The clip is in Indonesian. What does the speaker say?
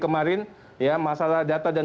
kemarin ya masalah data dan